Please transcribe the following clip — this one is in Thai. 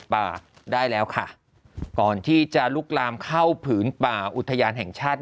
ป่าได้แล้วค่ะก่อนที่จะลุกลามเข้าผืนป่าอุทยานแห่งชาติ